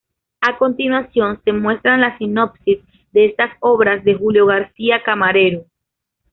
A continuación se muestran las sinopsis de estas obras de Julio García Camarero.